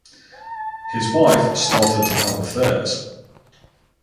His wife started to have affairs.